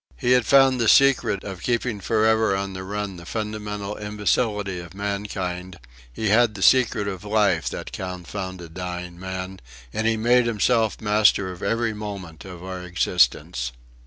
He had found the secret of keeping for ever on the run the fundamental imbecility of mankind; he had the secret of life, that confounded dying man, and he made himself master of every moment of our existence.